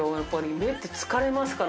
目って疲れますから。